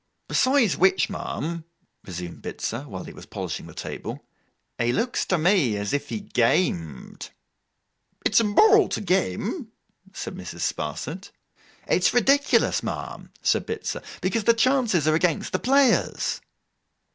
'Besides which, ma'am,' resumed Bitzer, while he was polishing the table, 'he looks to me as if he gamed.' 'It's immoral to game,' said Mrs. Sparsit. 'It's ridiculous, ma'am,' said Bitzer, 'because the chances are against the players.